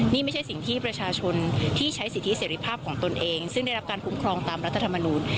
นี่ไม่ใช่สิ่งที่ประชาชนที่ใช้สิทธิเสรีภาพของตนเองซึ่งได้รับการคุ้มครองตามรัฐธรรมนูล